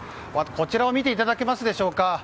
こちらを見ていただけますでしょうか。